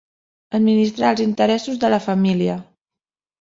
Administrar els interessos de la família.